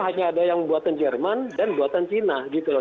hanya ada yang buatan jerman dan buatan cina gitu loh